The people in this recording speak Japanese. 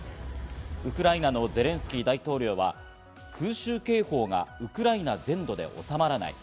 ウクライナのゼレンスキー大統領は空襲警報がウクライナ全土で収まらない。